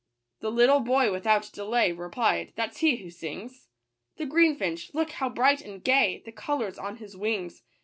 The little boy without delay Replied, " That's he who sings, The greenfinch,— look how bright and gay The colours on his wings